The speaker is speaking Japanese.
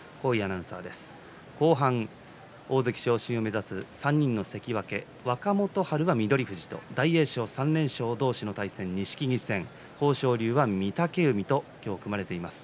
後半、大関昇進を目指す３人の関脇、若元春は翠富士と大栄翔は３連勝同士、錦木と豊昇龍は御嶽海と組まれています。